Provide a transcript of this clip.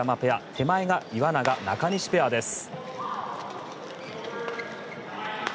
手前が岩永、中西ペアです。